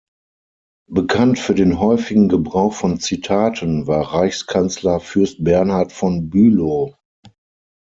Bekannt für den häufigen Gebrauch von Zitaten war Reichskanzler Fürst Bernhard von Bülow.